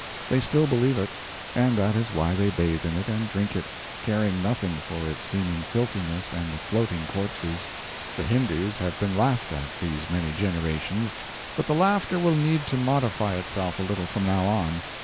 They still believe it, and that is why they bathe in it and drink it, caring nothing for its seeming filthiness and the floating corpses. The Hindoos have been laughed at, these many generations, but the laughter will need to modify itself a little from now on.